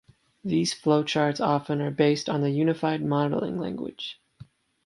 These flowcharts often are based on the Unified Modeling Language.